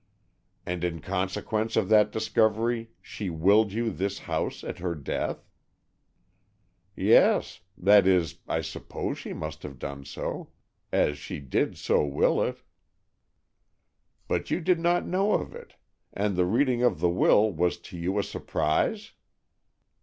"And in consequence of that discovery she willed you this house at her death?" "Yes; that is, I suppose she must have done so—as she did so will it." "But you did not know of it, and the reading of the will was to you a surprise?"